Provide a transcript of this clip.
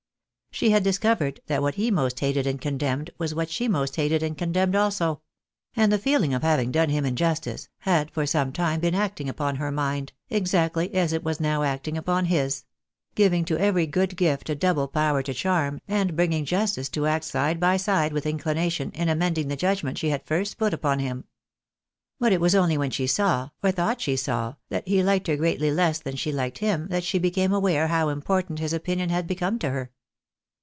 She had discovered that what he most hated and condemned was what she most hated and condemned also ; and the feeling of having done him injustice, had for some time been acting upon her mind, exactly as it was now acting upon his ; giving to every good gift a double power to charm, and bringing justice to act side by side with inclination, in amending the judgment she had first put upon him. But it was only when she saw, or thought she saw, that he liked her greatly less than she liked liim, that she became aware how important his opinion had become to her.